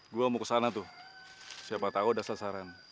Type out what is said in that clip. gue mau ke sana tuh siapa tau udah sasaran